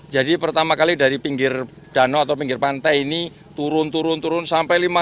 jadi pertama kali dari pinggir danau atau pinggir pantai ini turun turun turun sampai lima ratus